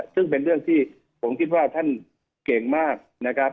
ซึ่งเป็นเรื่องที่ผมคิดว่าท่านเก่งมากนะครับ